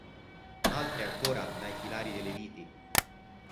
Altre ancora dai filari delle viti...